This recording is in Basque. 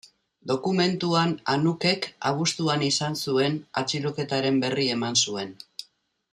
Dokumentuan Anuk-ek abuztuan izan zuen atxiloketaren berri eman zuen.